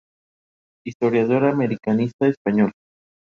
Durante la mayor parte de su existencia, estuvo sometido al arzobispado de Ohrid.